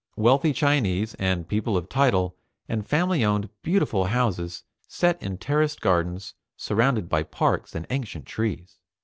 Wealthy Chinese and people of title and family owned beautiful houses set in terraced gardens surrounded by parks and ancient trees.